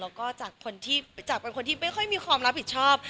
แล้วก็จากคนที่จากเป็นคนที่ไม่ค่อยมีความรับผิดชอบ